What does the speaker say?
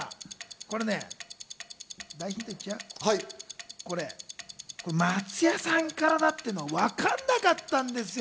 これは松也さんからってのはわかんなかったんですよ。